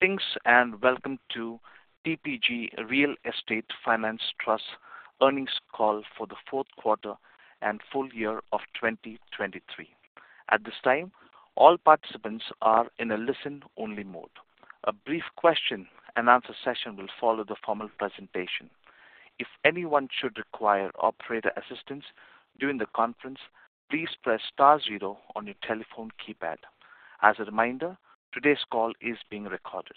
Greetings, and welcome to TPG Real Estate Finance Trust Earnings Call for the Fourth Quarter and Full Year of 2023. At this time, all participants are in a listen-only mode. A brief question-and-answer session will follow the formal presentation. If anyone should require operator assistance during the conference, please press star zero on your telephone keypad. As a reminder, today's call is being recorded.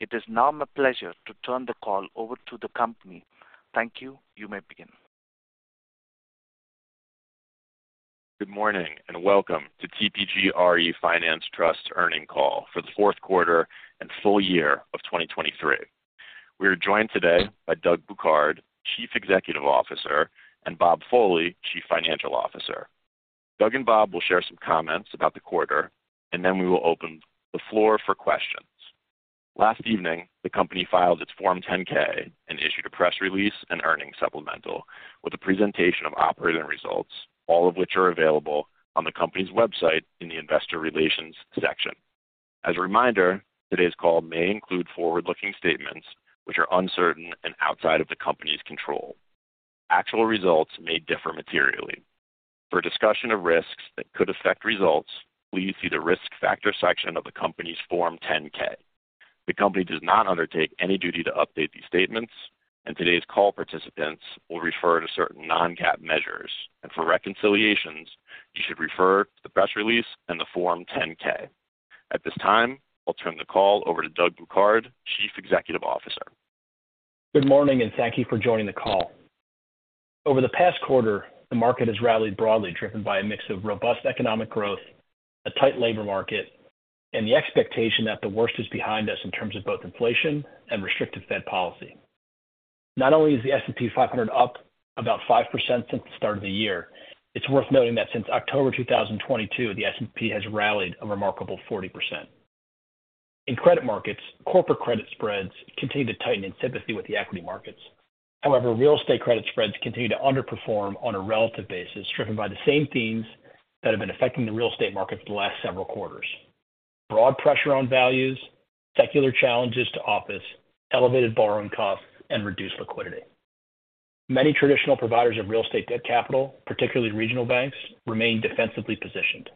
It is now my pleasure to turn the call over to the company. Thank you. You may begin. Good morning, and welcome to TPG RE Finance Trust Earnings Call for the Fourth Quarter and Full Year of 2023. We are joined today by Doug Bouquard, Chief Executive Officer, and Bob Foley, Chief Financial Officer. Doug and Bob will share some comments about the quarter, and then we will open the floor for questions. Last evening, the company filed its Form 10-K and issued a press release and earnings supplemental with a presentation of operating results, all of which are available on the company's website in the Investor Relations section. As a reminder, today's call may include forward-looking statements which are uncertain and outside of the company's control. Actual results may differ materially. For a discussion of risks that could affect results, please see the Risk Factors section of the company's Form 10-K. The company does not undertake any duty to update these statements, and today's call participants will refer to certain non-GAAP measures, and for reconciliations, you should refer to the press release and the Form 10-K. At this time, I'll turn the call over to Doug Bouquard, Chief Executive Officer. Good morning, and thank you for joining the call. Over the past quarter, the market has rallied broadly, driven by a mix of robust economic growth, a tight labor market, and the expectation that the worst is behind us in terms of both inflation and restrictive Fed policy. Not only is the S&P 500 up about 5% since the start of the year, it's worth noting that since October 2022, the S&P has rallied a remarkable 40%. In credit markets, corporate credit spreads continue to tighten in sympathy with the equity markets. However, real estate credit spreads continue to underperform on a relative basis, driven by the same themes that have been affecting the real estate market for the last several quarters: broad pressure on values, secular challenges to office, elevated borrowing costs, and reduced liquidity. Many traditional providers of real estate debt capital, particularly regional banks, remain defensively positioned.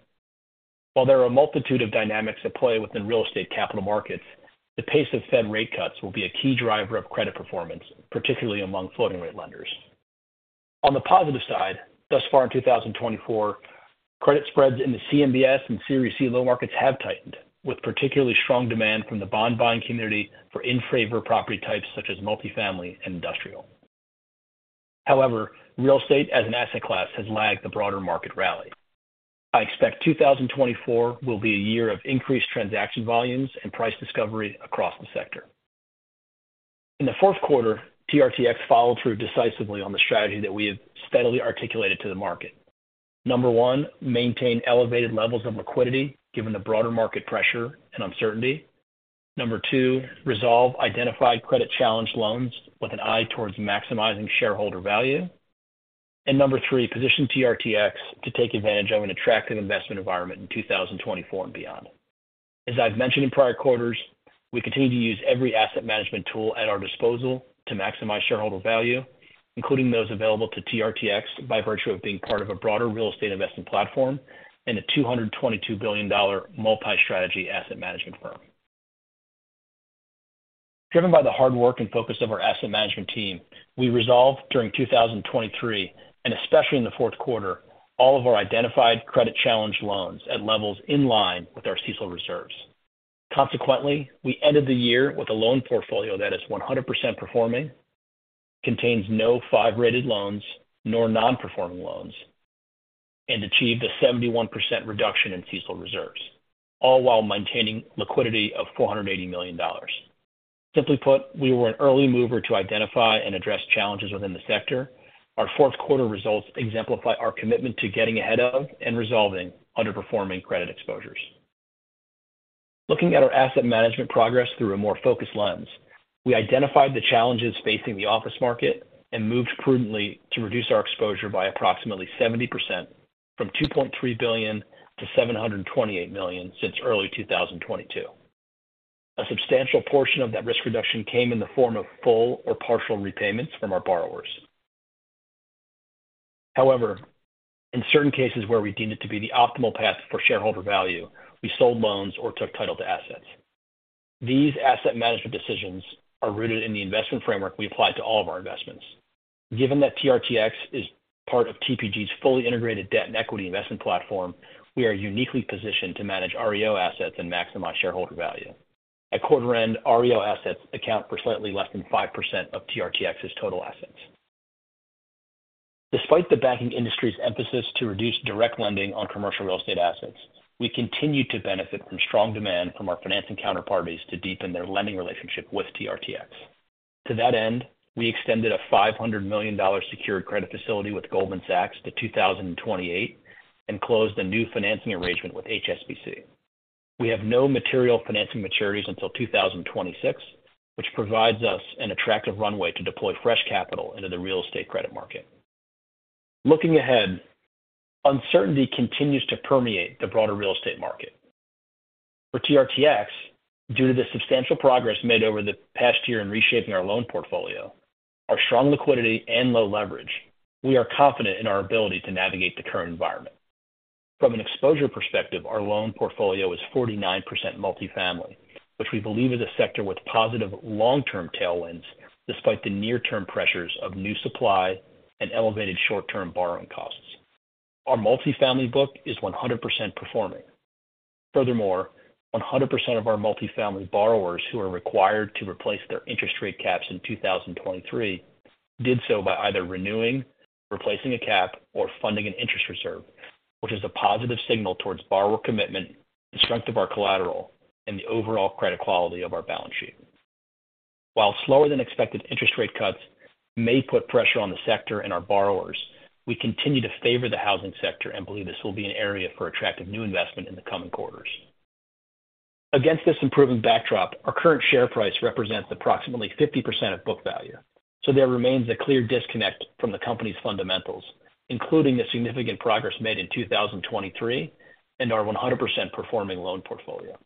While there are a multitude of dynamics at play within real estate capital markets, the pace of Fed rate cuts will be a key driver of credit performance, particularly among floating rate lenders. On the positive side, thus far in 2024, credit spreads in the CMBS and CRE CLO markets have tightened, with particularly strong demand from the bond-buying community for in-favor property types such as multifamily and industrial. However, real estate as an asset class has lagged the broader market rally. I expect 2024 will be a year of increased transaction volumes and price discovery across the sector. In the fourth quarter, TRTX followed through decisively on the strategy that we have steadily articulated to the market. Number one, maintain elevated levels of liquidity, given the broader market pressure and uncertainty. Number two, resolve identified credit challenge loans with an eye towards maximizing shareholder value. Number three, position TRTX to take advantage of an attractive investment environment in 2024 and beyond. As I've mentioned in prior quarters, we continue to use every asset management tool at our disposal to maximize shareholder value, including those available to TRTX by virtue of being part of a broader real estate investment platform and a $222 billion multi-strategy asset management firm. Driven by the hard work and focus of our asset management team, we resolved during 2023, and especially in the fourth quarter, all of our identified credit challenge loans at levels in line with our CECL reserves. Consequently, we ended the year with a loan portfolio that is 100% performing, contains no five-rated loans nor non-performing loans, and achieved a 71% reduction in CECL reserves, all while maintaining liquidity of $480 million. Simply put, we were an early mover to identify and address challenges within the sector. Our fourth quarter results exemplify our commitment to getting ahead of and resolving underperforming credit exposures. Looking at our asset management progress through a more focused lens, we identified the challenges facing the office market and moved prudently to reduce our exposure by approximately 70% from $2.3 billion-$728 million since early 2022. A substantial portion of that risk reduction came in the form of full or partial repayments from our borrowers. However, in certain cases where we deemed it to be the optimal path for shareholder value, we sold loans or took title to assets. These asset management decisions are rooted in the investment framework we applied to all of our investments. Given that TRTX is part of TPG's fully integrated debt and equity investment platform, we are uniquely positioned to manage REO assets and maximize shareholder value. At quarter end, REO assets account for slightly less than 5% of TRTX's total assets. Despite the banking industry's emphasis to reduce direct lending on commercial real estate assets, we continue to benefit from strong demand from our financing counterparties to deepen their lending relationship with TRTX. To that end, we extended a $500 million secured credit facility with Goldman Sachs to 2028 and closed a new financing arrangement with HSBC. We have no material financing maturities until 2026, which provides us an attractive runway to deploy fresh capital into the real estate credit market… Looking ahead, uncertainty continues to permeate the broader real estate market. For TRTX, due to the substantial progress made over the past year in reshaping our loan portfolio, our strong liquidity and low leverage, we are confident in our ability to navigate the current environment. From an exposure perspective, our loan portfolio is 49% multifamily, which we believe is a sector with positive long-term tailwinds, despite the near-term pressures of new supply and elevated short-term borrowing costs. Our multifamily book is 100% performing. Furthermore, 100% of our multifamily borrowers who are required to replace their interest rate caps in 2023, did so by either renewing, replacing a cap, or funding an interest reserve, which is a positive signal towards borrower commitment, the strength of our collateral, and the overall credit quality of our balance sheet. While slower than expected interest rate cuts may put pressure on the sector and our borrowers, we continue to favor the housing sector and believe this will be an area for attractive new investment in the coming quarters. Against this improving backdrop, our current share price represents approximately 50% of book value, so there remains a clear disconnect from the company's fundamentals, including the significant progress made in 2023, and our 100% performing loan portfolio.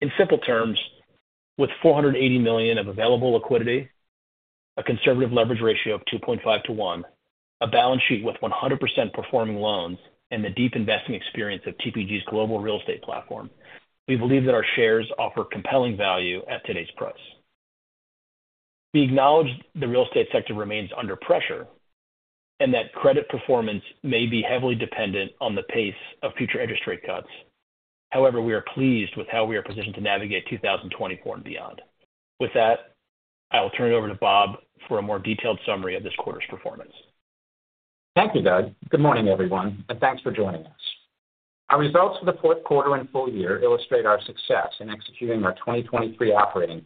In simple terms, with $480 million of available liquidity, a conservative leverage ratio of 2.5-1, a balance sheet with 100% performing loans, and the deep investing experience of TPG's global real estate platform, we believe that our shares offer compelling value at today's price. We acknowledge the real estate sector remains under pressure, and that credit performance may be heavily dependent on the pace of future interest rate cuts. However, we are pleased with how we are positioned to navigate 2024 and beyond. With that, I will turn it over to Bob for a more detailed summary of this quarter's performance. Thank you, Doug. Good morning, everyone, and thanks for joining us. Our results for the fourth quarter and full year illustrate our success in executing our 2023 operating,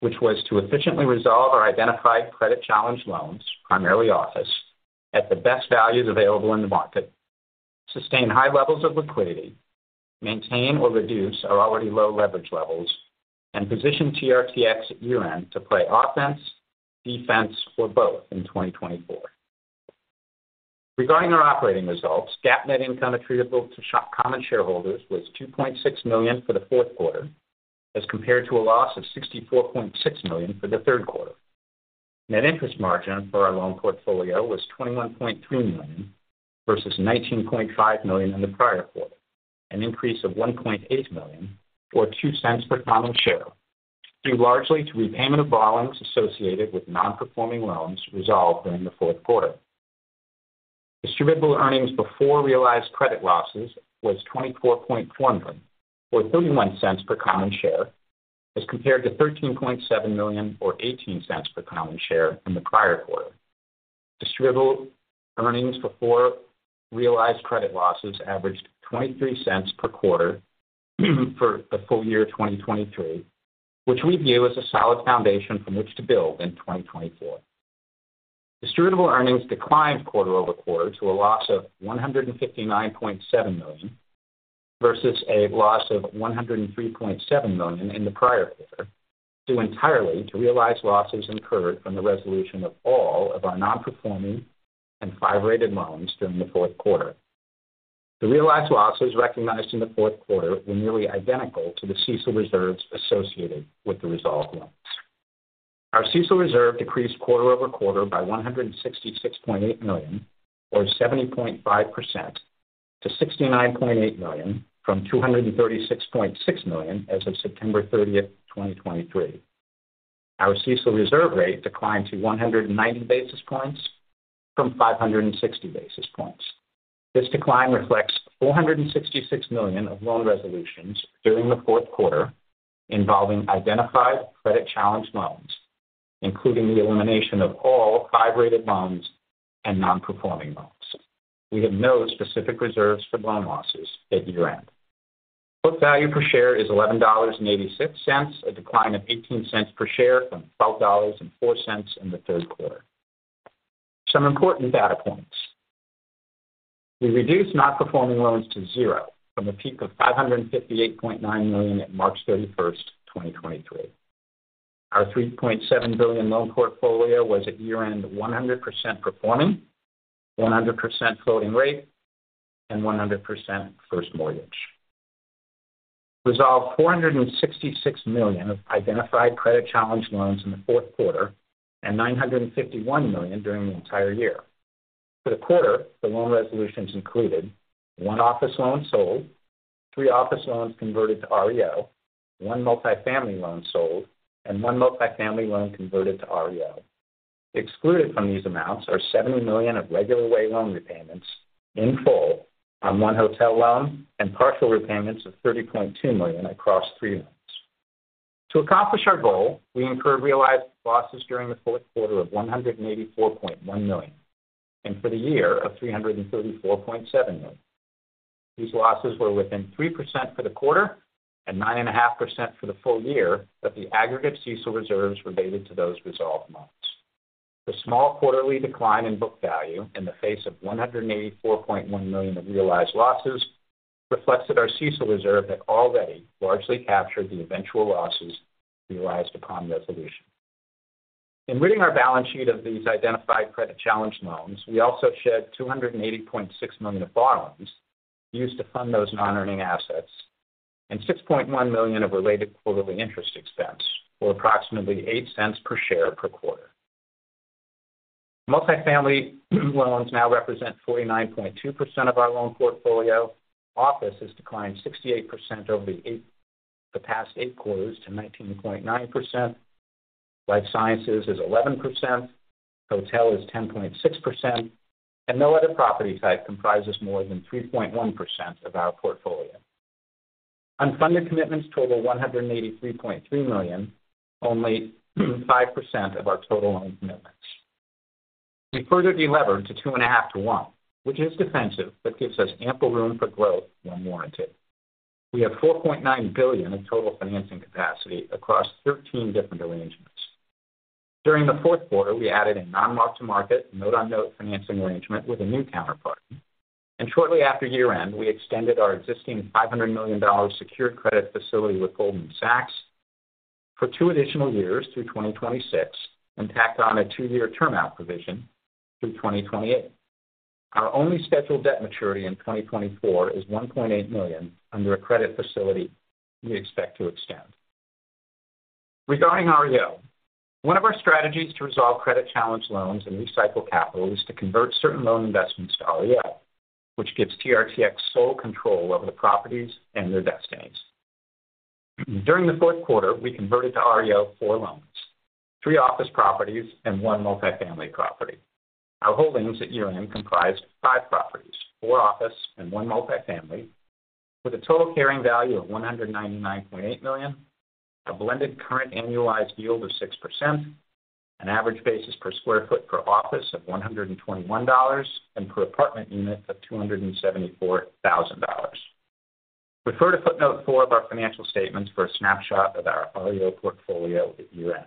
which was to efficiently resolve our identified credit challenge loans, primarily office, at the best values available in the market, sustain high levels of liquidity, maintain or reduce our already low leverage levels, and position TRTX at year-end to play offense, defense, or both in 2024. Regarding our operating results, GAAP net income attributable to common shareholders was $2.6 million for the fourth quarter, as compared to a loss of $64.6 million for the third quarter. Net interest margin for our loan portfolio was $21.3 million, versus $19.5 million in the prior quarter, an increase of $1.8 million, or $0.02 per common share, due largely to repayment of borrowings associated with non-performing loans resolved during the fourth quarter. Distributable earnings before realized credit losses was $24.4 million, or $0.31 per common share, as compared to $13.7 million, or $0.18 per common share in the prior quarter. Distributable earnings before realized credit losses averaged $0.23 per quarter for the full year of 2023, which we view as a solid foundation from which to build in 2024. Distributable earnings declined quarter-over-quarter to a loss of $159.7 million, versus a loss of $103.7 million in the prior quarter, due entirely to realized losses incurred from the resolution of all of our non-performing and five-rated loans during the fourth quarter. The realized losses recognized in the fourth quarter were nearly identical to the CECL reserves associated with the resolved loans. Our CECL reserve decreased quarter-over-quarter by $166.8 million, or 70.5% to $69.8 million, from $236.6 million as of September 30, 2023. Our CECL reserve rate declined to 190 basis points from 560 basis points. This decline reflects $466 million of loan resolutions during the fourth quarter involving identified credit challenge loans, including the elimination of all high-rated loans and non-performing loans. We have no specific reserves for loan losses at year-end. Book value per share is $11.86, a decline of 18 cents per share from $12.04 in the third quarter. Some important data points. We reduced non-performing loans to zero from a peak of $558.9 million at March 31, 2023. Our $3.7 billion loan portfolio was at year-end 100% performing, 100% floating rate, and 100% first mortgage. Resolved $466 million of identified credit challenge loans in the fourth quarter, and $951 million during the entire year. For the quarter, the loan resolutions included: one office loan sold, three office loans converted to REO, one multifamily loan sold, and one multifamily loan converted to REO. Excluded from these amounts are $70 million of regular way loan repayments in full on one hotel loan and partial repayments of $30.2 million across three loans. To accomplish our goal, we incurred realized losses during the fourth quarter of $184.1 million, and for the year of $334.7 million. These losses were within 3% for the quarter and 9.5% for the full year, that the aggregate CECL reserves were related to those resolved loans. The small quarterly decline in book value in the face of $184.1 million of realized losses-... reflects that our CECL reserve had already largely captured the eventual losses realized upon resolution. In ridding our balance sheet of these identified credit challenged loans, we also shed $280.6 million of borrowings used to fund those non-earning assets and $6.1 million of related quarterly interest expense, or approximately $0.08 per share per quarter. Multifamily loans now represent 49.2% of our loan portfolio. Office has declined 68% over the past eight quarters to 19.9%. Life sciences is 11%, hotel is 10.6%, and no other property type comprises more than 3.1% of our portfolio. Unfunded commitments total $183.3 million, only 5% of our total loan commitments. We further delevered to 2.5-1, which is defensive, but gives us ample room for growth when warranted. We have $4.9 billion of total financing capacity across 13 different arrangements. During the fourth quarter, we added a non-mark-to-market, note-on-note financing arrangement with a new counterparty, and shortly after year-end, we extended our existing $500 million secured credit facility with Goldman Sachs for two additional years through 2026, and tacked on a two-year term out provision through 2028. Our only scheduled debt maturity in 2024 is $1.8 million under a credit facility we expect to extend. Regarding REO, one of our strategies to resolve credit challenged loans and recycle capital is to convert certain loan investments to REO, which gives TRTX sole control over the properties and their destinies. During the fourth quarter, we converted to REO four loans, three office properties and one multifamily property. Our holdings at year-end comprised five properties, four office and one multifamily, with a total carrying value of $199.8 million, a blended current annualized yield of 6%, an average basis per square foot per office of $121, and per apartment unit of $274,000. Refer to footnote four of our financial statements for a snapshot of our REO portfolio at year-end.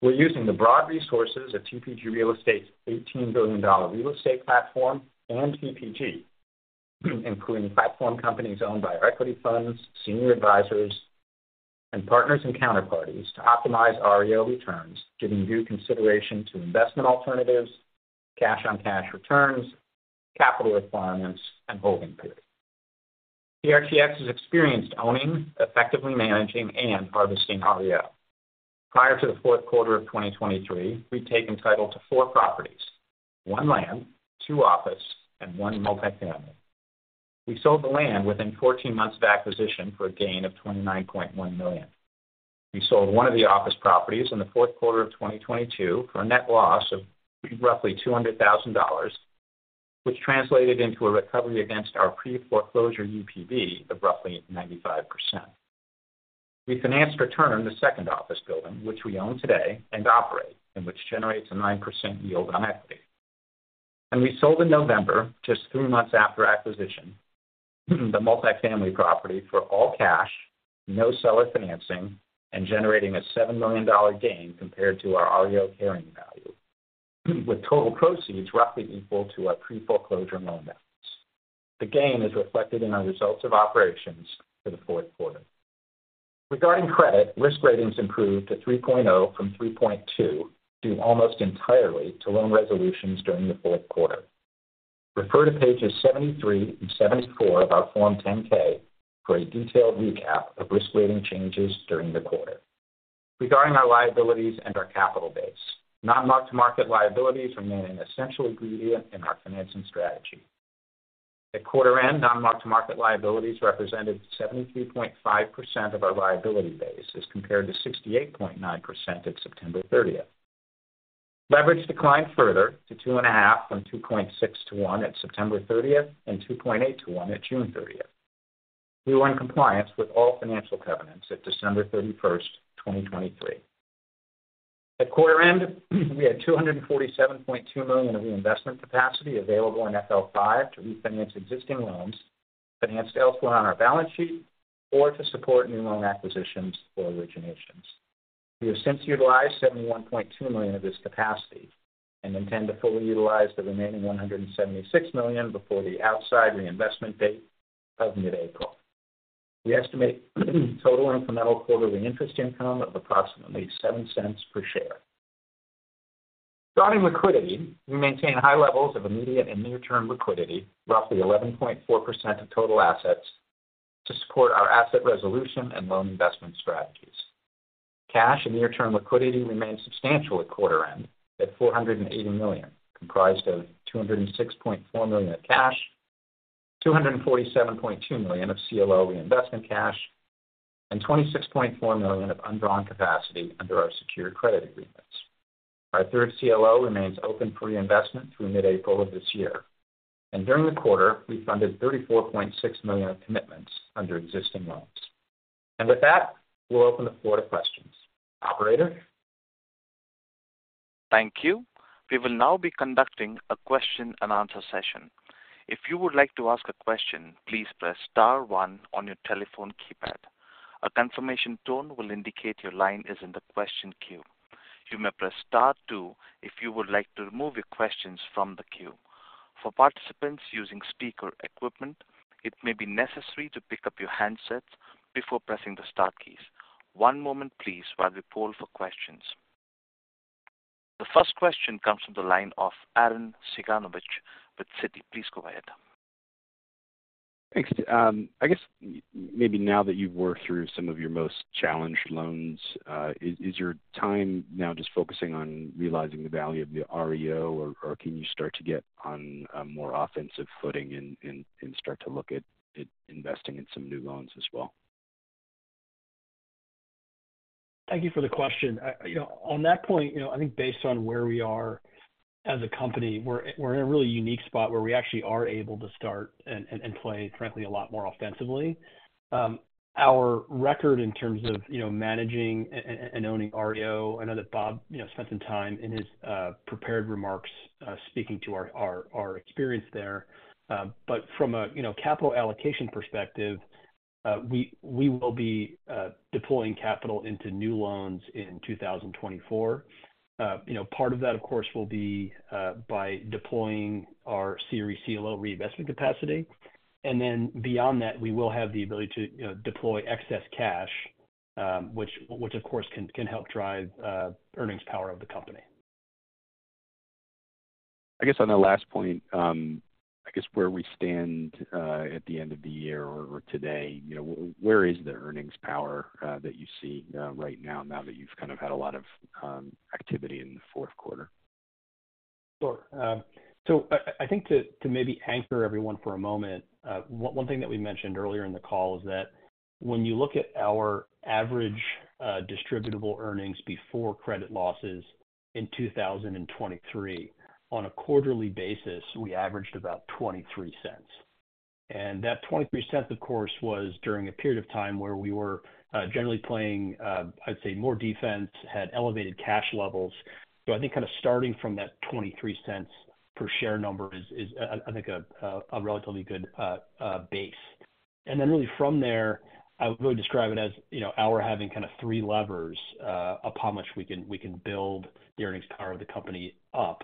We're using the broad resources of TPG Real Estate's $18 billion real estate platform and TPG, including platform companies owned by our equity funds, senior advisors, and partners and counterparties to optimize REO returns, giving due consideration to investment alternatives, cash-on-cash returns, capital requirements, and holding periods. TRTX has experienced owning, effectively managing, and harvesting REO. Prior to the fourth quarter of 2023, we've taken title to four properties, one land, two office, and one multifamily. We sold the land within 14 months of acquisition for a gain of $29.1 million. We sold one of the office properties in the fourth quarter of 2022 for a net loss of roughly $200,000, which translated into a recovery against our pre-foreclosure UPB of roughly 95%. We financed return on the second office building, which we own today and operate, and which generates a 9% yield on equity. We sold in November, just 3 months after acquisition, the multifamily property for all cash, no seller financing, and generating a $7 million gain compared to our REO carrying value, with total proceeds roughly equal to our pre-foreclosure loan balance. The gain is reflected in our results of operations for the fourth quarter. Regarding credit, risk ratings improved to 3.0 from 3.2, due almost entirely to loan resolutions during the fourth quarter. Refer to pages 73 and 74 of our Form 10-K for a detailed recap of risk rating changes during the quarter. Regarding our liabilities and our capital base, non-mark-to-market liabilities remain an essential ingredient in our financing strategy. At quarter end, non-mark-to-market liabilities represented 73.5% of our liability base, as compared to 68.9% at September 30. Leverage declined further to 2.5 from 2.6 to 1 at September 30 and 2.8 to 1 at June 30. We were in compliance with all financial covenants at December 31, 2023. At quarter end, we had $247.2 million of reinvestment capacity available in FL5 to refinance existing loans, financed elsewhere on our balance sheet, or to support new loan acquisitions or originations. We have since utilized $71.2 million of this capacity and intend to fully utilize the remaining $176 million before the outside reinvestment date of mid-April. We estimate total incremental quarterly interest income of approximately $0.07 per share. Starting liquidity, we maintain high levels of immediate and near-term liquidity, roughly 11.4% of total assets, to support our asset resolution and loan investment strategies. Cash and near-term liquidity remained substantial at quarter end, at $480 million, comprised of $206.4 million of cash, $247.2 million of CLO reinvestment cash, and $26.4 million of undrawn capacity under our secured credit agreements. Our third CLO remains open for reinvestment through mid-April of this year, and during the quarter, we funded $34.6 million of commitments under existing loans. And with that, we'll open the floor to questions. Operator? Thank you. We will now be conducting a question-and-answer session. If you would like to ask a question, please press star one on your telephone keypad. A confirmation tone will indicate your line is in the question queue.... You may press star two if you would like to remove your questions from the queue. For participants using speaker equipment, it may be necessary to pick up your handsets before pressing the star keys. One moment please, while we poll for questions. The first question comes from the line of Arren Cyganovich with Citi. Please go ahead. Thanks. I guess maybe now that you've worked through some of your most challenged loans, is your time now just focusing on realizing the value of the REO, or can you start to get on a more offensive footing and start to look at investing in some new loans as well? Thank you for the question. You know, on that point, you know, I think based on where we are as a company, we're in a really unique spot where we actually are able to start and play, frankly, a lot more offensively. Our record in terms of, you know, managing and owning REO, I know that Bob, you know, spent some time in his prepared remarks speaking to our experience there. But from a, you know, capital allocation perspective, we will be deploying capital into new loans in 2024. You know, part of that, of course, will be by deploying our CRE CLO reinvestment capacity. Then beyond that, we will have the ability to, you know, deploy excess cash, which, of course, can help drive earnings power of the company. I guess on the last point, I guess where we stand at the end of the year or today, you know, where is the earnings power that you see right now, now that you've kind of had a lot of activity in the fourth quarter? Sure. So I think to maybe anchor everyone for a moment, one thing that we mentioned earlier in the call is that when you look at our average distributable earnings before credit losses in 2023, on a quarterly basis, we averaged about $0.23. And that $0.23, of course, was during a period of time where we were generally playing, I'd say more defense, had elevated cash levels. So I think kind of starting from that $0.23 per share number is I think a relatively good base. And then really from there, I would really describe it as, you know, our having kind of three levers upon which we can build the earnings power of the company up.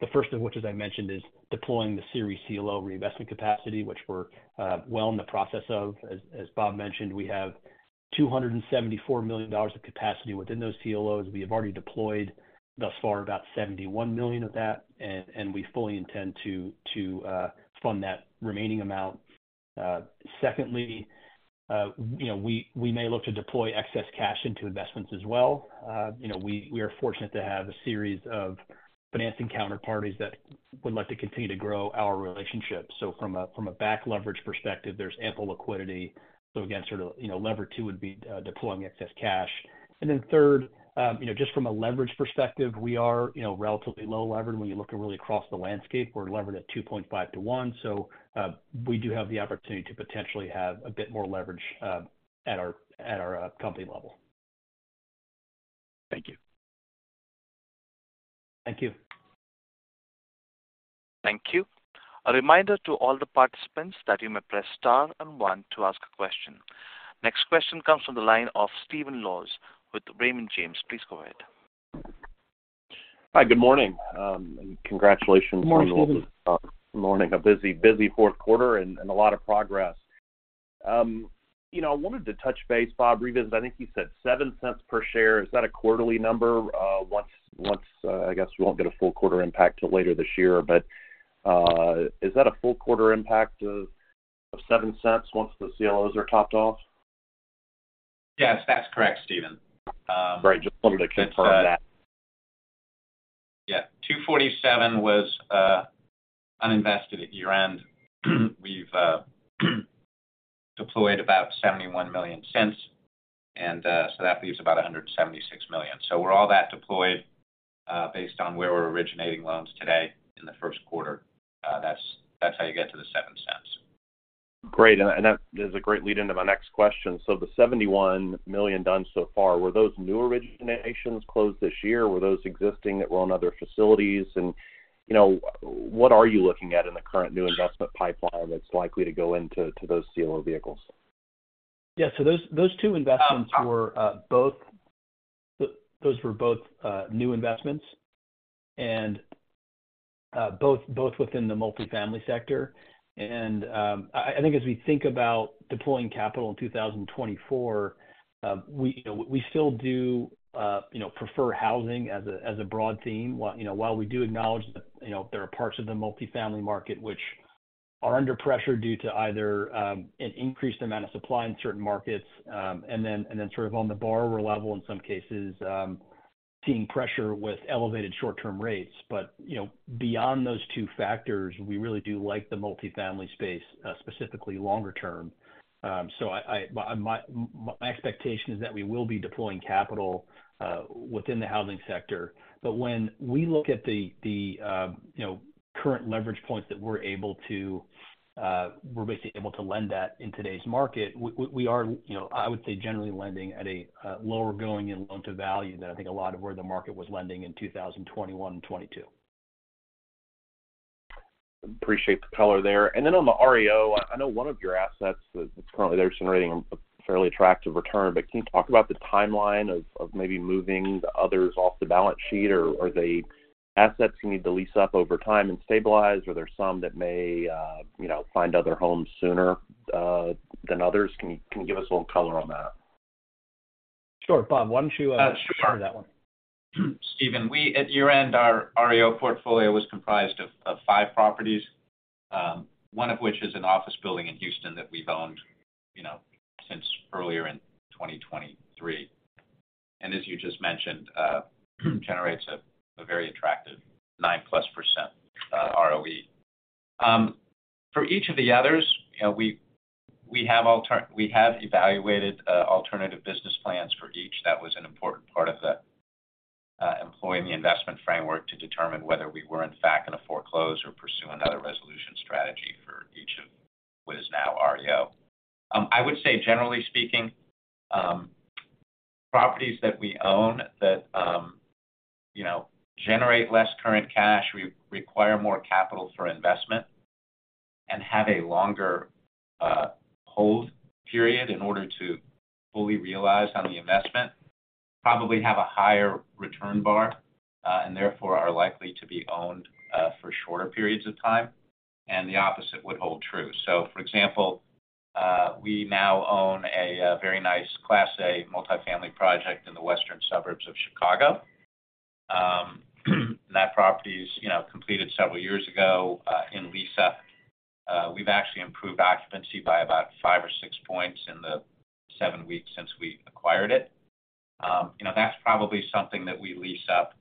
The first of which, as I mentioned, is deploying the CRE CLO reinvestment capacity, which we're well in the process of. As Bob mentioned, we have $274 million of capacity within those CLOs. We have already deployed, thus far, about $71 million of that, and we fully intend to fund that remaining amount. Secondly, you know, we may look to deploy excess cash into investments as well. You know, we are fortunate to have a series of financing counterparties that would like to continue to grow our relationship. So from a back leverage perspective, there's ample liquidity. So again, sort of, you know, lever two would be deploying excess cash. And then third, you know, just from a leverage perspective, we are, you know, relatively low levered. When you look really across the landscape, we're levered at 2.5-1. So, we do have the opportunity to potentially have a bit more leverage, at our company level. Thank you. Thank you. Thank you. A reminder to all the participants that you may press Star and One to ask a question. Next question comes from the line of Stephen Laws with Raymond James. Please go ahead. Hi, good morning. Congratulations- Good morning, Stephen. Morning. A busy, busy fourth quarter and a lot of progress. You know, I wanted to touch base, Bob, revisit I think you said $0.07 per share. Is that a quarterly number? Once, I guess we won't get a full quarter impact till later this year, but is that a full quarter impact of $0.07 once the CLOs are topped off? Yes, that's correct, Stephen. Great, just wanted to confirm that. Yeah, $247 million was uninvested at year-end. We've deployed about $71 million since, and so that leaves about $176 million. So we're all that deployed based on where we're originating loans today in the first quarter. That's how you get to the $0.07. Great, and that is a great lead into my next question. So the $71 million done so far, were those new originations closed this year? Were those existing that were on other facilities? And, you know, what are you looking at in the current new investment pipeline that's likely to go into those CLO vehicles? Yeah. So those two investments were both. Those were both new investments and both within the multifamily sector. And I think as we think about deploying capital in 2024, we you know we still do you know prefer housing as a broad theme, you know, while we do acknowledge that you know there are parts of the multifamily market which are under pressure due to either an increased amount of supply in certain markets and then sort of on the borrower level in some cases seeing pressure with elevated short-term rates. But you know beyond those two factors we really do like the multifamily space specifically longer-term. So I my expectation is that we will be deploying capital within the housing sector. But when we look at the current leverage points that we're able to, we're basically able to lend at in today's market, we are, you know, I would say generally lending at a lower going-in loan-to-value than I think a lot of where the market was lending in 2021 and 2022.... appreciate the color there. And then on the REO, I know one of your assets is, it's currently there generating a fairly attractive return. But can you talk about the timeline of maybe moving the others off the balance sheet? Or are the assets going to need to lease up over time and stabilize, or there are some that may, you know, find other homes sooner than others? Can you give us a little color on that? Sure. Bob, why don't you- Uh, sure. Answer that one? Stephen, at year-end, our REO portfolio was comprised of five properties, one of which is an office building in Houston that we've owned, you know, since earlier in 2023. And as you just mentioned, generates a very attractive 9%+ ROE. For each of the others, you know, we have evaluated alternative business plans for each. That was an important part of employing the investment framework to determine whether we were in fact going to foreclose or pursue another resolution strategy for each of what is now REO. I would say, generally speaking, properties that we own that, you know, generate less current cash require more capital for investment and have a longer hold period in order to fully realize on the investment, probably have a higher return bar, and therefore, are likely to be owned for shorter periods of time, and the opposite would hold true. So for example, we now own a very nice Class A multifamily project in the western suburbs of Chicago. And that property is, you know, completed several years ago in lease-up. We've actually improved occupancy by about 5 or 6 points in the 7 weeks since we acquired it. You know, that's probably something that we lease up,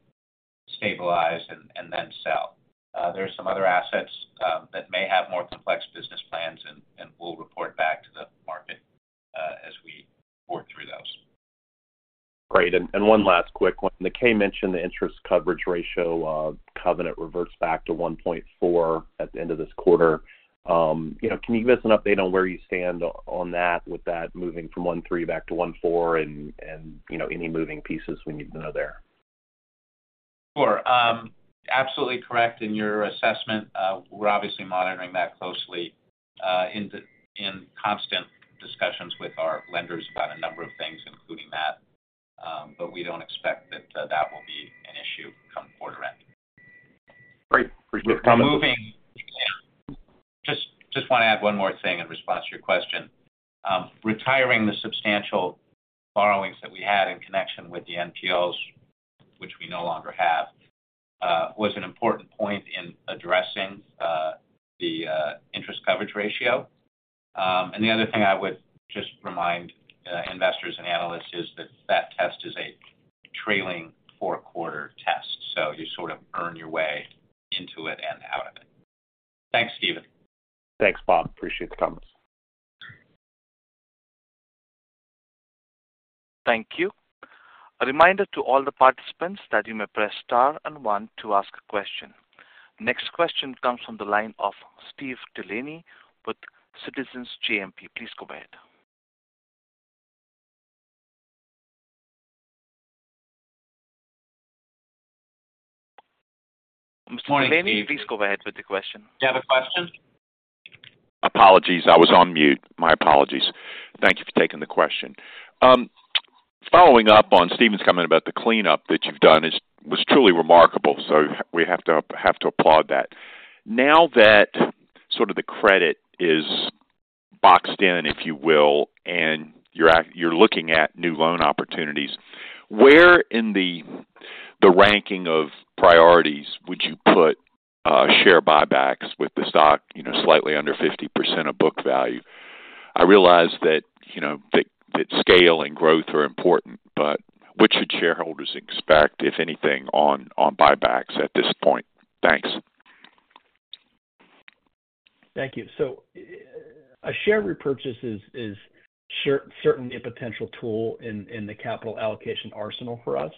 stabilize, and then sell. There are some other assets that may have more complex business plans, and we'll report back to the market as we work through those. Great. And one last quick one. You mentioned the interest coverage ratio, covenant reverts back to 1.4 at the end of this quarter. You know, can you give us an update on where you stand on that, with that moving from 1.3 back to 1.4, and, you know, any moving pieces we need to know there? Sure. Absolutely correct in your assessment. We're obviously monitoring that closely, in constant discussions with our lenders about a number of things, including that. But we don't expect that that will be an issue come quarter end. Great. Appreciate the comment. Yeah. Just, just want to add one more thing in response to your question. Retiring the substantial borrowings that we had in connection with the NPLs, which we no longer have, was an important point in addressing the interest coverage ratio. And the other thing I would just remind investors and analysts is that that test is a trailing four-quarter test, so you sort of earn your way into it and out of it. Thanks, Stephen. Thanks, Bob. Appreciate the comments. Thank you. A reminder to all the participants that you may press star and one to ask a question. Next question comes from the line of Steve Delaney with Citizens JMP. Please go ahead. Good morning- Please go ahead with the question. Do you have a question? Apologies. I was on mute. My apologies. Thank you for taking the question. Following up on Steven's comment about the cleanup that you've done was truly remarkable, so we have to applaud that. Now that sort of the credit is boxed in, if you will, and you're looking at new loan opportunities. Where in the ranking of priorities would you put share buybacks with the stock, you know, slightly under 50% of book value? I realize that, you know, that scale and growth are important, but what should shareholders expect, if anything, on buybacks at this point? Thanks. Thank you. So a share repurchase is certainly a potential tool in the capital allocation arsenal for us.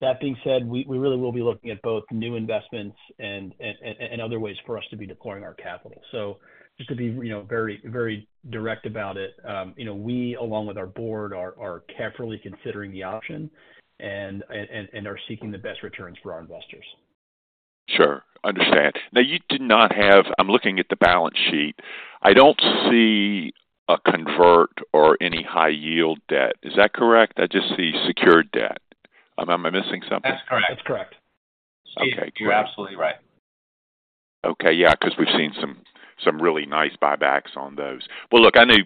That being said, we really will be looking at both new investments and other ways for us to be deploying our capital. So just to be, you know, very, very direct about it, you know, we, along with our board, are carefully considering the option and are seeking the best returns for our investors. Sure. Understand. Now, you did not have—I'm looking at the balance sheet. I don't see a convert or any high-yield debt. Is that correct? I just see secured debt. Am I missing something? That's correct. That's correct. Okay, great. You're absolutely right. Okay, yeah, because we've seen some really nice buybacks on those. Well, look, I know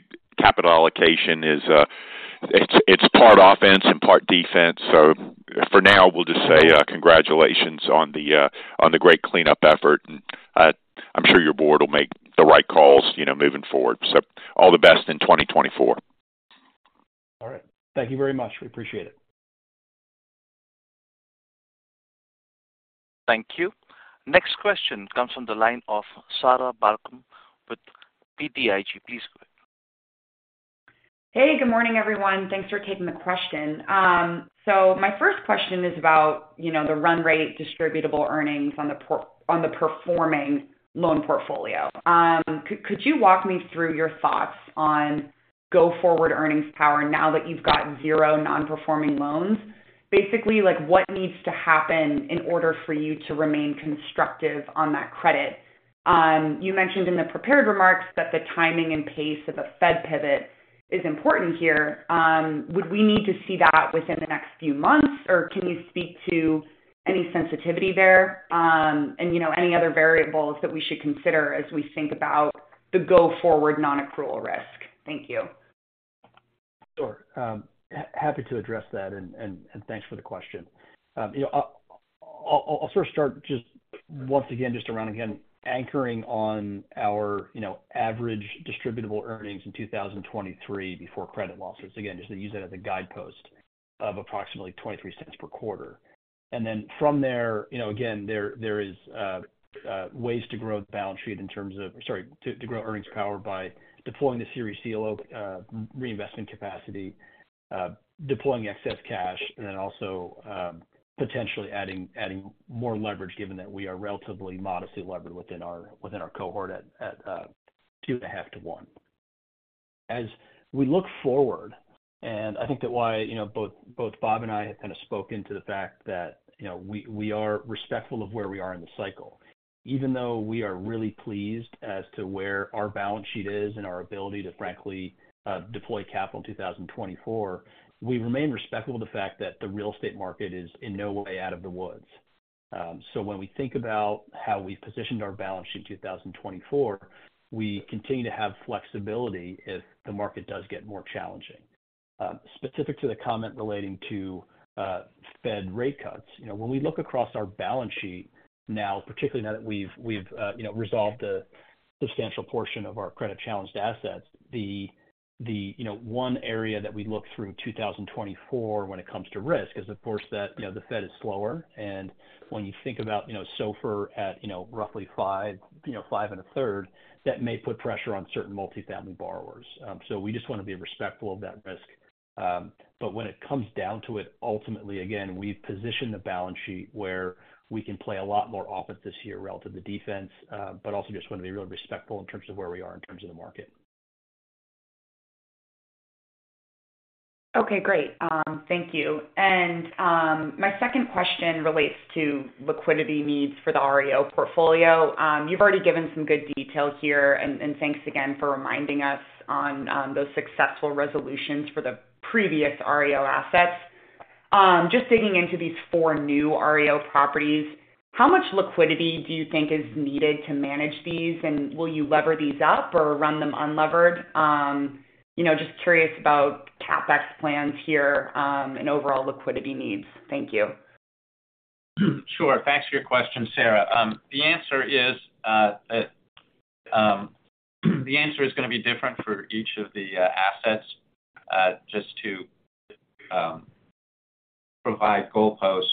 capital allocation is, it's part offense and part defense, so for now, we'll just say, congratulations on the great cleanup effort, and, I'm sure your board will make the right calls, you know, moving forward. So all the best in 2024. All right. Thank you very much. We appreciate it. Thank you. Next question comes from the line of Sarah Barcomb with BTIG. Please go ahead. Hey, good morning, everyone. Thanks for taking the question. So my first question is about, you know, the run rate distributable earnings on the performing loan portfolio. Could you walk me through your thoughts on go forward earnings power now that you've got 0 non-performing loans? Basically, like, what needs to happen in order for you to remain constructive on that credit? You mentioned in the prepared remarks that the timing and pace of a Fed pivot is important here. Would we need to see that within the next few months, or can you speak to any sensitivity there, and, you know, any other variables that we should consider as we think about the go-forward nonaccrual risk? Thank you. Sure. Happy to address that and thanks for the question. You know, I'll sort of start just once again, just around again, anchoring on our, you know, average distributable earnings in 2023 before credit losses. Again, just to use that as a guidepost of approximately $0.23 per quarter. And then from there, you know, again, there is ways to grow the balance sheet in terms of to grow earnings power by deploying the CRE CLO reinvestment capacity, deploying excess cash, and then also potentially adding more leverage, given that we are relatively modestly levered within our cohort at 2.5-1. As we look forward, and I think that why, you know, both, both Bob and I have kind of spoken to the fact that, you know, we, we are respectful of where we are in the cycle. Even though we are really pleased as to where our balance sheet is and our ability to frankly, deploy capital in 2024, we remain respectful of the fact that the real estate market is in no way out of the woods. So when we think about how we've positioned our balance sheet in 2024, we continue to have flexibility if the market does get more challenging. Specific to the comment relating to Fed rate cuts, you know, when we look across our balance sheet now, particularly now that we've you know, resolved a substantial portion of our credit-challenged assets, the you know, one area that we look through 2024 when it comes to risk is, of course, that, you know, the Fed is slower. And when you think about, you know, SOFR at, you know, roughly 5, you know, 5.33, that may put pressure on certain multifamily borrowers. So we just want to be respectful of that risk. But when it comes down to it, ultimately, again, we've positioned the balance sheet where we can play a lot more offense this year relative to defense, but also just want to be really respectful in terms of where we are in terms of the market. Okay, great. Thank you. And my second question relates to liquidity needs for the REO portfolio. You've already given some good detail here, and thanks again for reminding us on those successful resolutions for the previous REO assets. Just digging into these four new REO properties, how much liquidity do you think is needed to manage these? And will you lever these up or run them unlevered? You know, just curious about CapEx plans here, and overall liquidity needs. Thank you. Sure. Thanks for your question, Sarah. The answer is going to be different for each of the assets. Just to provide goalposts,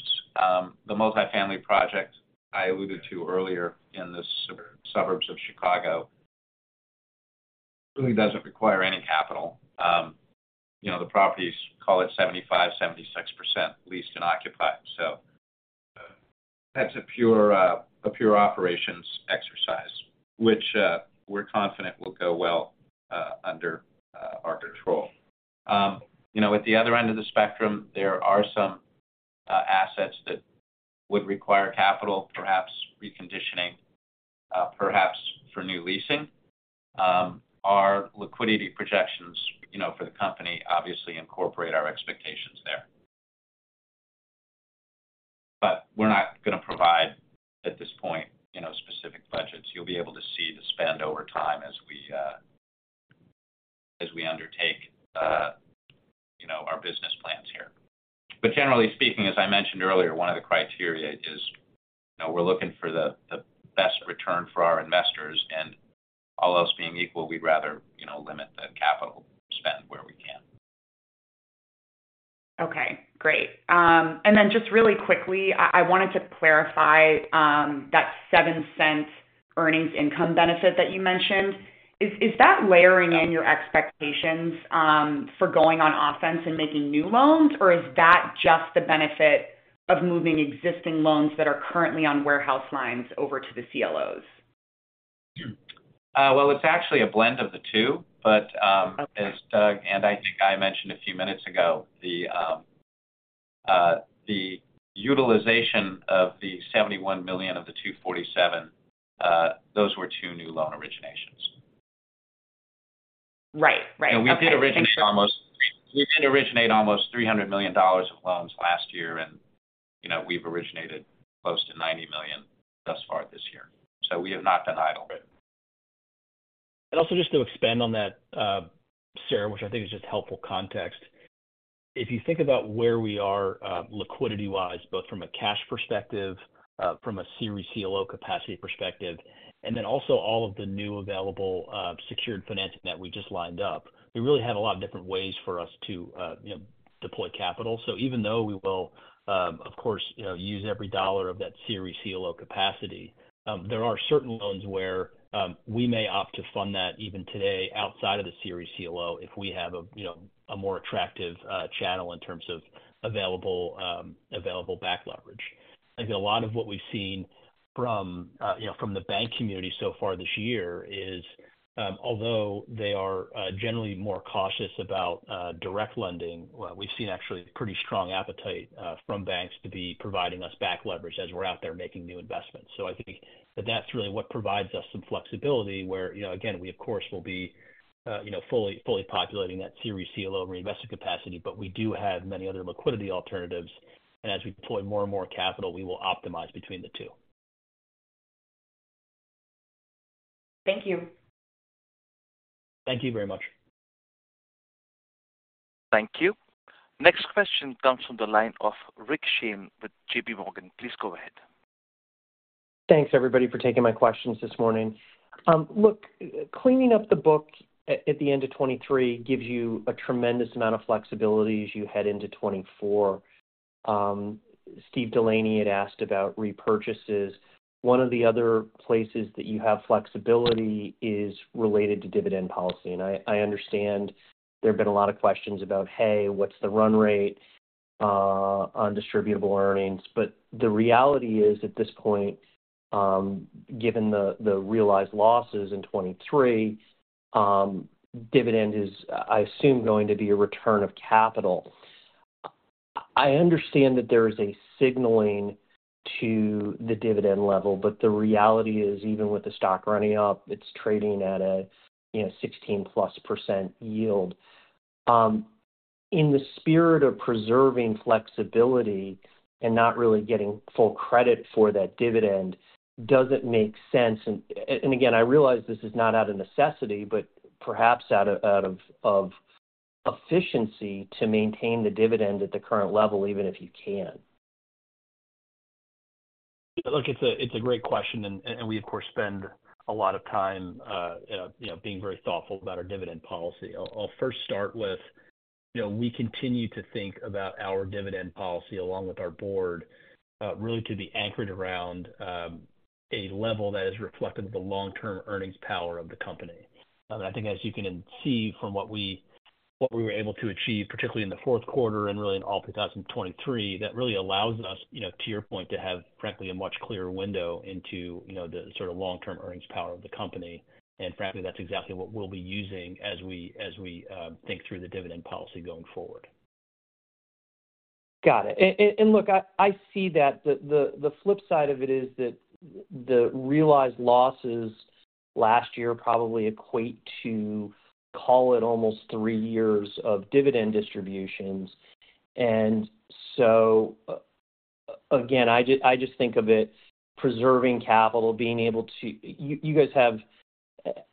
the multifamily project I alluded to earlier in the suburbs of Chicago really doesn't require any capital. You know, the property is, call it 75%-76% leased and occupied. So that's a pure operations exercise, which we're confident will go well under our control. You know, at the other end of the spectrum, there are some assets that would require capital, perhaps reconditioning, perhaps for new leasing. Our liquidity projections, you know, for the company, obviously incorporate our expectations there. But we're not going to provide, at this point, you know, specific budgets. You'll be able to see the spend over time as we, as we undertake, you know, our business plans here. But generally speaking, as I mentioned earlier, one of the criteria is, you know, we're looking for the, the best return for our investors, and all else being equal, we'd rather, you know, limit the capital spend where we can. Okay, great. And then just really quickly, I wanted to clarify that $0.07 earnings income benefit that you mentioned. Is that layering in your expectations for going on offense and making new loans? Or is that just the benefit of moving existing loans that are currently on warehouse lines over to the CLOs? Well, it's actually a blend of the two, but as Doug, and I think I mentioned a few minutes ago, the utilization of the $71 million of the $247, those were two new loan originations. Right. Right. Okay- And we did originate almost $300 million of loans last year, and, you know, we've originated close to $90 million thus far this year, so we have not been idle. And also just to expand on that, Sarah, which I think is just helpful context. If you think about where we are, liquidity-wise, both from a cash perspective, from a CRE CLO capacity perspective, and then also all of the new available, secured financing that we just lined up, we really have a lot of different ways for us to, you know, deploy capital. So even though we will, of course, you know, use every dollar of that CRE CLO capacity, there are certain loans where, we may opt to fund that even today outside of the CRE CLO, if we have a, you know, a more attractive, channel in terms of available, available back leverage. I think a lot of what we've seen from, you know, from the bank community so far this year is, although they are generally more cautious about direct lending, well, we've seen actually pretty strong appetite from banks to be providing us back leverage as we're out there making new investments. So I think that that's really what provides us some flexibility, where, you know, again, we, of course, will be, you know, fully populating that Series C loan reinvestment capacity. But we do have many other liquidity alternatives, and as we deploy more and more capital, we will optimize between the two. Thank you. Thank you very much. Thank you. Next question comes from the line of Rick Shane with JP Morgan. Please go ahead. Thanks, everybody, for taking my questions this morning. Look, cleaning up the book at the end of 2023 gives you a tremendous amount of flexibility as you head into 2024. Steve Delaney had asked about repurchases. One of the other places that you have flexibility is related to dividend policy, and I understand there have been a lot of questions about, Hey, what's the run rate on distributable earnings? But the reality is, at this point, given the realized losses in 2023, dividend is, I assume, going to be a return of capital. I understand that there is a signaling to the dividend level, but the reality is, even with the stock running up, it's trading at a, you know, 16%+ yield. In the spirit of preserving flexibility and not really getting full credit for that dividend, does it make sense, and again, I realize this is not out of necessity, but perhaps out of efficiency to maintain the dividend at the current level, even if you can? Look, it's a great question, and we, of course, spend a lot of time, you know, being very thoughtful about our dividend policy. I'll first start with, you know, we continue to think about our dividend policy, along with our board, really to be anchored around a level that is reflective of the long-term earnings power of the company. I think as you can see from what we were able to achieve, particularly in the fourth quarter and really in all of 2023, that really allows us, you know, to your point, to have, frankly, a much clearer window into, you know, the sort of long-term earnings power of the company. And frankly, that's exactly what we'll be using as we think through the dividend policy going forward. Got it. And look, I see that the flip side of it is that the realized losses last year probably equate to, call it, almost three years of dividend distributions. And so, again, I just think of it, preserving capital, being able to... You guys have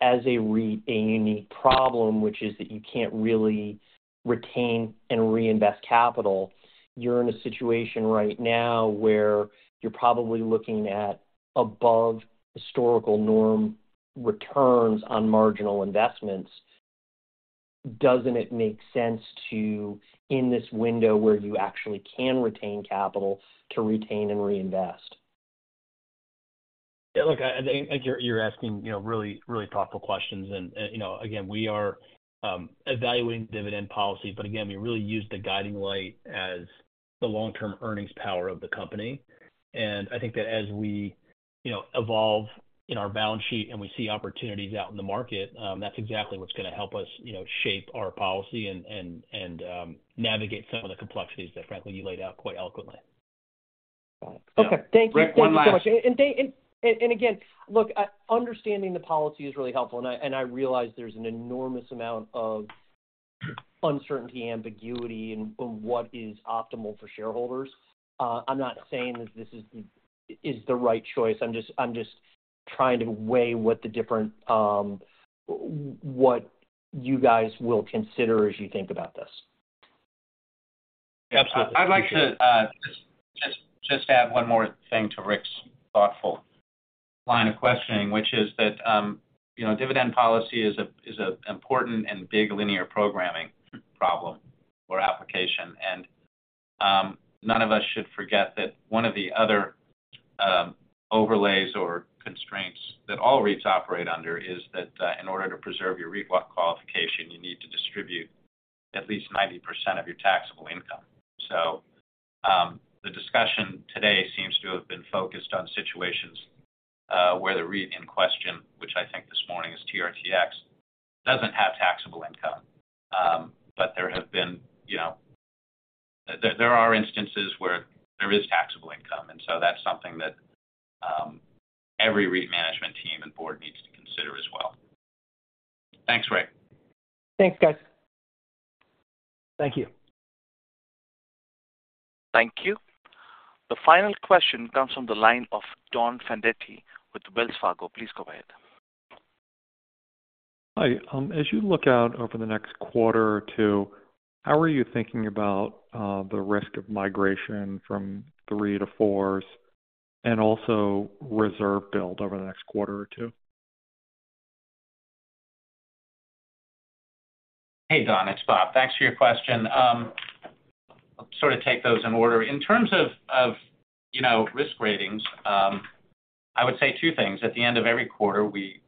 as a REIT a unique problem, which is that you can't really retain and reinvest capital. You're in a situation right now where you're probably looking at above historical norm returns on marginal investments. Doesn't it make sense to, in this window where you actually can retain capital, to retain and reinvest? Yeah, look, I think you're asking, you know, really, really thoughtful questions. And, you know, again, we are evaluating dividend policy, but again, we really use the guiding light as the long-term earnings power of the company. And I think that as we, you know, evolve in our balance sheet and we see opportunities out in the market, that's exactly what's going to help us, you know, shape our policy and navigate some of the complexities that, frankly, you laid out quite eloquently. Got it. Okay, thank you. Rick, one last- Again, look, understanding the policy is really helpful, and I realize there's an enormous amount of uncertainty, ambiguity in what is optimal for shareholders. I'm not saying that this is the right choice. I'm just trying to weigh what the different what you guys will consider as you think about this. Absolutely. I'd like to just add one more thing to Rick's thoughtful line of questioning, which is that, you know, dividend policy is a important and big linear programming problem or application. And, none of us should forget that one of the other, overlays or constraints that all REITs operate under is that, in order to preserve your REIT qualification, you need to distribute at least 90% of your taxable income. So, the discussion today seems to have been focused on situations, where the REIT in question, which I think this morning is TRTX, doesn't have taxable income. But there have been, you know, there are instances where there is taxable income, and so that's something that, every REIT management team and board needs to consider as well. Thanks, Rick. Thanks, guys. Thank you. Thank you. The final question comes from the line of Don Fandetti with Wells Fargo. Please go ahead. Hi. As you look out over the next quarter or two, how are you thinking about the risk of migration from three to fours, and also reserve build over the next quarter or two? Hey, Don, it's Bob. Thanks for your question. I'll sort of take those in order. In terms of, you know, risk ratings, I would say two things. At the end of every quarter, we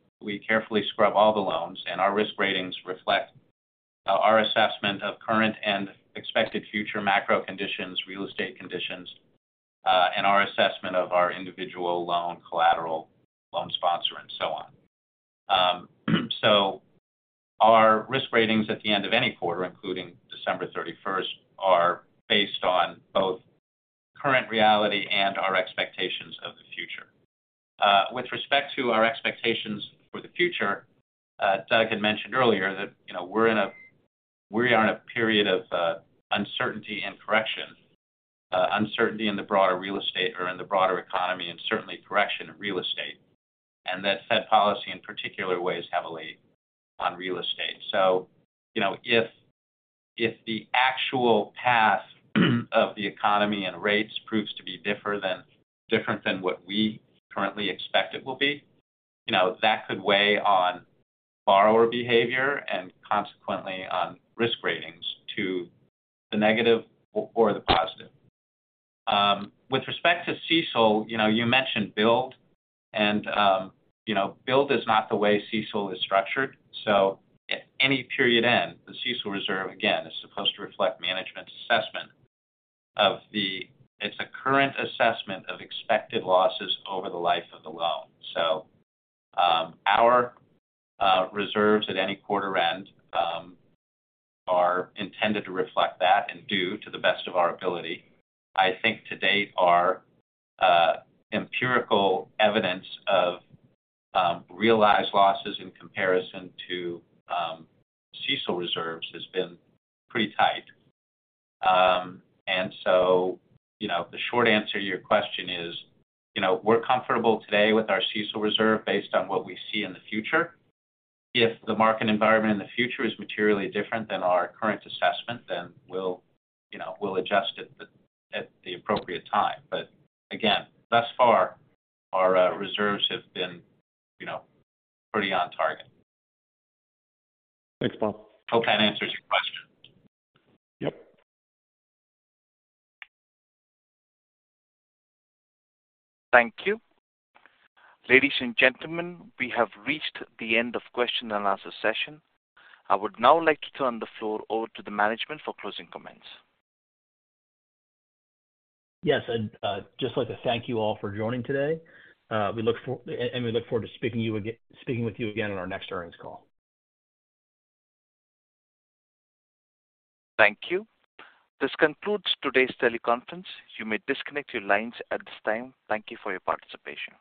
carefully scrub all the loans, and our risk ratings reflect our assessment of current and expected future macro conditions, real estate conditions, and our assessment of our individual loan collateral, loan sponsor, and so on. So our risk ratings at the end of any quarter, including December thirty-first, are based on both current reality and our expectations of the future. With respect to our expectations for the future, Doug had mentioned earlier that, you know, we are in a period of uncertainty and correction. Uncertainty in the broader real estate or in the broader economy, and certainly correction in real estate, and that Fed policy, in particular, weighs heavily on real estate. So you know, if the actual path of the economy and rates proves to be different than what we currently expect it will be, you know, that could weigh on borrower behavior and consequently on risk ratings to the negative or the positive. With respect to CECL, you know, you mentioned build and, you know, build is not the way CECL is structured. So at any period end, the CECL reserve, again, is supposed to reflect management's assessment of the... It's a current assessment of expected losses over the life of the loan. So, our reserves at any quarter end are intended to reflect that, and do, to the best of our ability. I think to date, our empirical evidence of realized losses in comparison to CECL reserves has been pretty tight. And so, you know, the short answer to your question is, you know, we're comfortable today with our CECL reserve based on what we see in the future. If the market environment in the future is materially different than our current assessment, then we'll, you know, we'll adjust it at the appropriate time. But again, thus far, our reserves have been, you know, pretty on target. Thanks, Rob. Hope that answers your question. Yep. Thank you. Ladies and gentlemen, we have reached the end of question and answer session. I would now like to turn the floor over to the management for closing comments. Yes, and, just like to thank you all for joining today. We look forward to speaking with you again on our next earnings call. Thank you. This concludes today's teleconference. You may disconnect your lines at this time. Thank you for your participation.